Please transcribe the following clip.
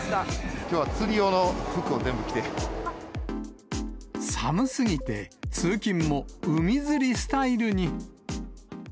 きょうは釣り用の服を全部着寒すぎて、通勤も海釣りスタイルに。